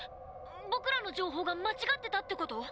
ボクらの情報が間違ってたってこと？